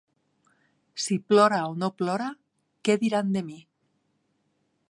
Si plora o no plora, què diran de mi?